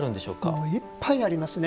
もういっぱいありますね。